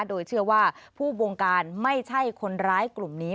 โดยเชื่อว่าผู้บงการไม่ใช่คนร้ายกลุ่มนี้